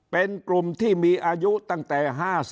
เป็นกลุ่มที่มีอายุตั้งแต่๕๐